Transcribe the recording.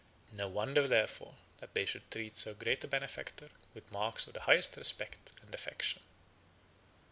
No wonder, therefore, that they should treat so great a benefactor with marks of the highest respect and affection.